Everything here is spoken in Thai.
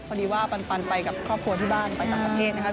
พอดีว่าปันไปกับครอบครัวที่บ้านไปต่างประเทศนะครับ